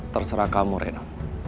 terserah kamu reno